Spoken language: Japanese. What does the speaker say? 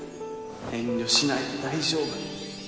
遠慮しないで大丈夫